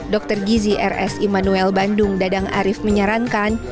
dr gizi r s immanuel bandung dadang arief menyarankan